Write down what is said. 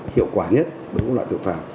hiệu quả nhất đối với các loại tội phạm